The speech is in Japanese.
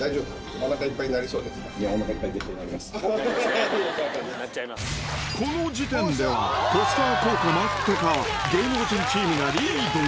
おなかいっぱい、絶対なりまこの時点では、ポスター効果もあってか、芸能人チームがリード。